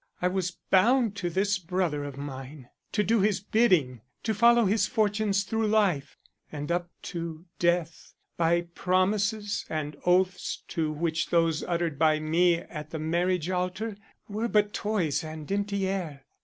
I was bound to this brother of mine, to do his bidding, to follow his fortunes through life, and up to death, by promises and oaths to which those uttered by me at the marriage altar were but toys and empty air.